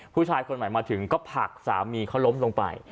ผู้ชายคนใหม่มาถึงก็ผลักสามีเขาล้มลงไป